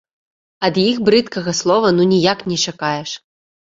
Ад якіх брыдкага слова ну ніяк не чакаеш!